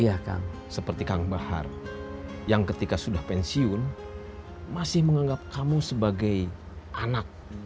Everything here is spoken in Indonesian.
iya kang seperti kang bahar yang ketika sudah pensiun masih menganggap kamu sebagai anak